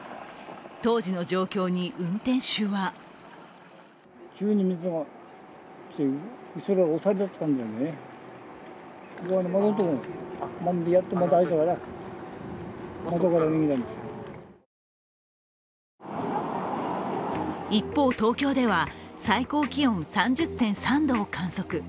当時の状況に運転手は一方、東京では最高気温３０．３度を観測。